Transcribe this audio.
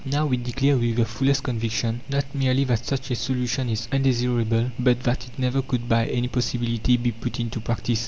Now, we declare with the fullest conviction, not merely that such a solution is undesirable, but that it never could by any possibility be put into practice.